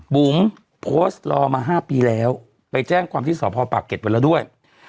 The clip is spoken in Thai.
บุ๋มโพสต์รอมา๕ปีแล้วไปแจ้งความที่สพปากเก็ตไว้แล้วด้วย